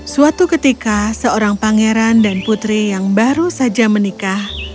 suatu ketika seorang pangeran dan putri yang baru saja menikah